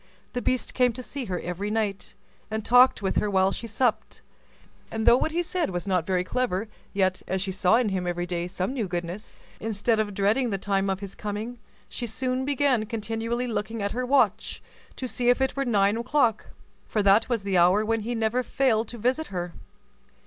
The beast came to see her every night, and talked with her while she supped; and though what he said was not very clever, yet, as she saw in him every day some new goodness, instead of dreading the time of his coming, she soon began continually looking at her watch, to see if it were nine o'clock; for that was the hour when he never failed to visit her.